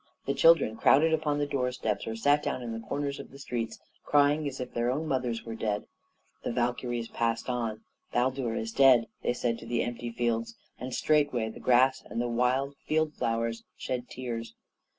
The children crowded upon the doorsteps, or sat down at the corners of the streets, crying as if their own mothers were dead. The Valkyries passed on. "Baldur is dead!" they said to the empty fields; and straightway the grass and the wild field flowers shed tears.